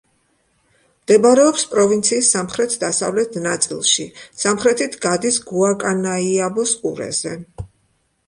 მდებარეობს პროვინციის სამხრეთ-დასავლეთ ნაწილში, სამხრეთით გადის გუაკანაიაბოს ყურეზე.